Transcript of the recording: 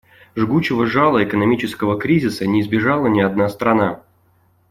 Жгучего жала экономического кризиса не избежала ни одна страна.